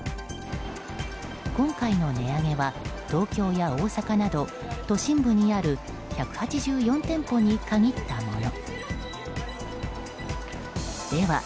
今回の値上げは東京や大阪など都心部にある１８４店舗に限ったもの。